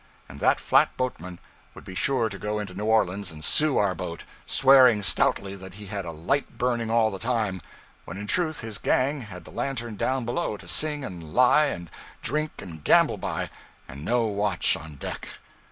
And that flatboatman would be sure to go into New Orleans and sue our boat, swearing stoutly that he had a light burning all the time, when in truth his gang had the lantern down below to sing and lie and drink and gamble by, and no watch on deck.